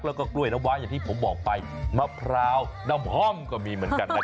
แล้วก็กล้วยน้ำว้าอย่างที่ผมบอกไปมะพร้าวน้ำหอมก็มีเหมือนกันนะ